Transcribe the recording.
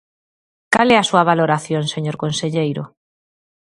¿Cal é a súa valoración, señor conselleiro?